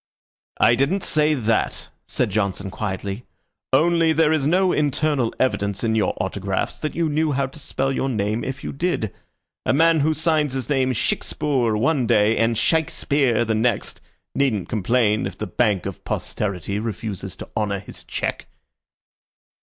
"I didn't say that," said Johnson, quietly. "Only there is no internal evidence in your autographs that you knew how to spell your name if you did. A man who signs his name Shixpur one day and Shikespeare the next needn't complain if the Bank of Posterity refuses to honor his check."